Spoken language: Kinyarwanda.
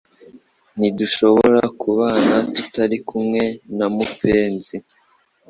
Ntidushobora kubana tutari kumwe na mupenzi